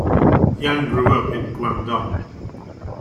Yang grew up in Guangdong.